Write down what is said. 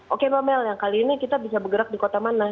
oke mbak mel yang kali ini kita bisa bergerak di kota mana